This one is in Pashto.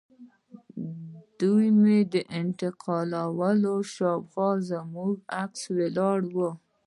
دوی مې انتقالول او شاوخوا زموږ عسکر ولاړ وو